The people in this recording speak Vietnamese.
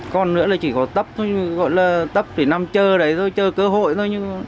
còn nữa là chỉ có tấp thôi gọi là tấp để nằm chơi đấy thôi chơi cơ hội thôi